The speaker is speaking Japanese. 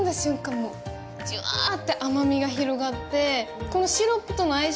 じゅわーって甘みが広がってこのシロップとの相性